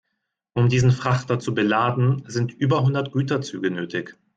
Um diesen Frachter zu beladen, sind über hundert Güterzüge nötig.